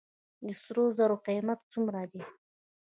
د سرو زرو قیمت څومره دی؟